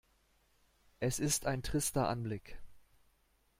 Es ist ein trister Anblick.